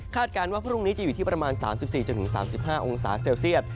การว่าพรุ่งนี้จะอยู่ที่ประมาณ๓๔๓๕องศาเซลเซียต